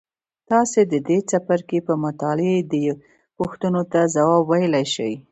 تاسې د دې څپرکي په مطالعې دې پوښتنو ته ځواب ویلای شئ.